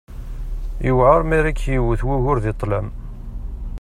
Yewεer mi ara k-yewwet wugur di ṭṭlam.